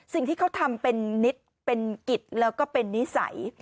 สิ่งที่เขาทำเป็นนิตเป็นกิจแล้วก็เป็นนิสัย